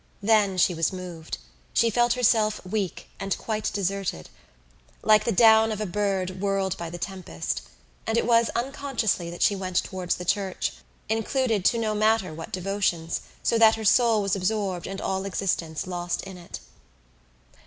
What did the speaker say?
Then she was moved; she felt herself weak and quite deserted, like the down of a bird whirled by the tempest, and it was unconsciously that she went towards the church, included to no matter what devotions, so that her soul was absorbed and all existence lost in it.